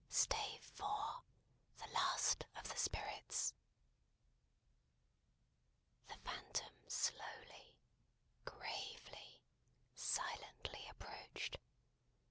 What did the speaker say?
STAVE IV: THE LAST OF THE SPIRITS THE Phantom slowly, gravely, silently, approached.